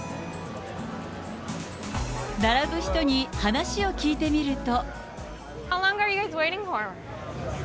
並ぶ人に話を聞いてみると。